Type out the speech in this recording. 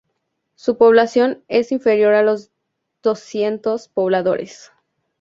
Su población es inferior a los doscientos pobladores.